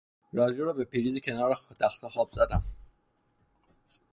رادیو را به پریز کنار تختخواب زدم.